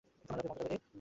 ফোনালাপে মগ্ন থাকবে, এহ?